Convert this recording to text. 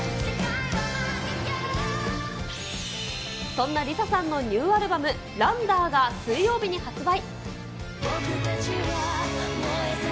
そんなＬｉＳＡさんのニューアルバム、ランダーが水曜日に発売。